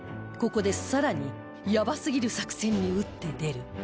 ここでさらにやばすぎる作戦に打って出る